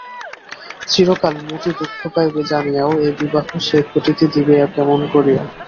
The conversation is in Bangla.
চিরকাল মতি দুঃখ পাইবে জানিয়াও এ বিবাহ সে ঘটিতে দিবে কেমন করিয়া।